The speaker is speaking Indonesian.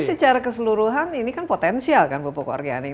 tapi secara keseluruhan ini kan potensial kan pupuk organik